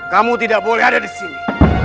kamu tidak boleh ada disini